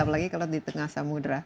apalagi kalau di tengah samudera